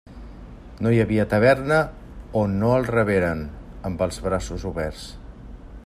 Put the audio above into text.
No hi havia taverna on no el reberen amb els braços oberts.